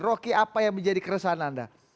rocky apa yang menjadi keresahan anda